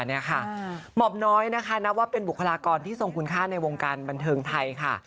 หมอบน้อยนะคะนับว่าเป็นบุคลากรที่ทรงคุณค่าในวงการบันเทิงไทยค่ะ